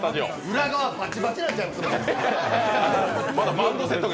裏側バチバチなんちゃいます？